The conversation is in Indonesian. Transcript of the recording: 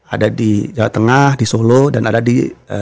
ada di jawa tengah di solo dan ada di